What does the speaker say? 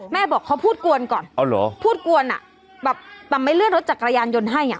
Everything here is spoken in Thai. แม่บอกเขาพูดกวนก่อนเอาเหรอพูดกวนอ่ะแบบปรับไม้เลือดรถจากกระยานยนต์ให้อ่ะ